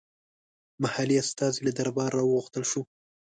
محلي استازی له درباره راوغوښتل شو.